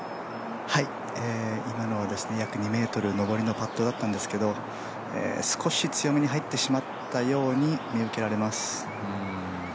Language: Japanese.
今のは約２ｍ、上りのパットだったんですけど少し強めに入ってしまったように見受けられます。